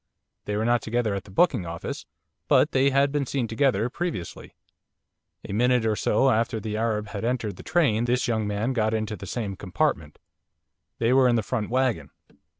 They were not together at the booking office, but they had been seen together previously. A minute or so after the Arab had entered the train this young man got into the same compartment they were in the front waggon.